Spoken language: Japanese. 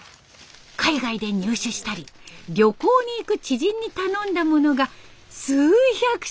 海外で入手したり旅行に行く知人に頼んだものが数百種類。